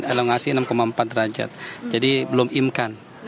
elongasi enam empat derajat jadi belum imkan